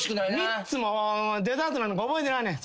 ３つもデザートなんか覚えてないねん。